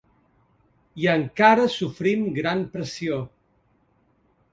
I encara sofrim gran pressió.